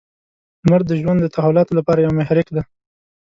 • لمر د ژوند د تحولاتو لپاره یو محرک دی.